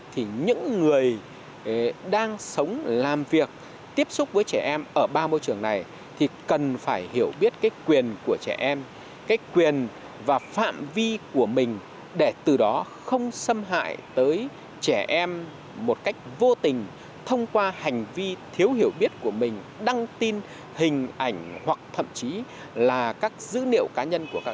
thì những người đang sống làm việc tiếp xúc với trẻ em ở ba môi trường này thì cần phải hiểu biết cái quyền của trẻ em cái quyền và phạm vi của mình để từ đó không xâm hại tới trẻ em một cách vô tình thông qua hành vi thiếu hiểu biết của mình đăng tin hình ảnh hoặc thậm chí là các dữ liệu cá nhân của trẻ em